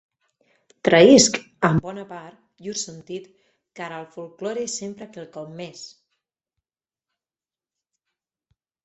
Traïsc, en bona part, llur sentit, car el folklore és sempre quelcom més.